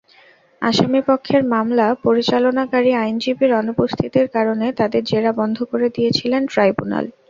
আসামিপক্ষের মামলা পরিচালনাকারী আইনজীবীর অনুপস্থিতির কারণে তাঁদের জেরা বন্ধ করে দিয়েছিলেন ট্রাইব্যুনাল।